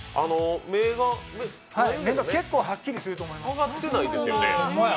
目が結構はっきりしてくると思います。